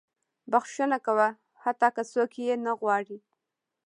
• بښنه کوه، حتی که څوک یې نه غواړي.